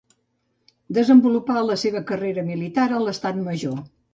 Desenvolupà la seva carrera militar a l'Estat major.